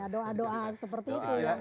doa doa seperti itu yang diperlukan